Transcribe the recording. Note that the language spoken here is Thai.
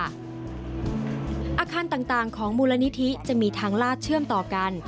อาคารต่างของมูลนิธิจะมีทางลาดเชื่อมต่อกัน